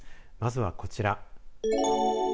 まずはこちら。